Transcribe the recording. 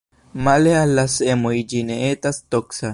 Male al la semoj ĝi ne etas toksa.